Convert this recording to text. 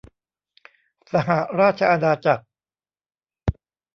สหราชอาณาจักร